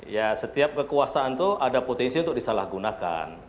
ya setiap kekuasaan itu ada potensi untuk disalahgunakan